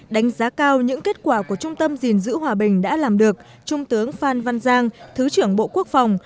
đánh giá cao những kết quả của trung tâm gìn giữ hòa bình đã làm được trung tướng phan văn giang thứ trưởng bộ quốc phòng